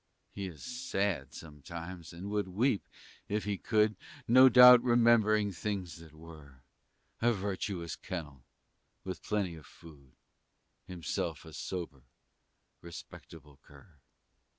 He is sad sometimes, and would weep, if he could, No doubt remembering things that were, A virtuous kennel, with plenty of food, And himself a sober, respectable cur.